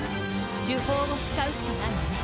主砲を使うしかないわね。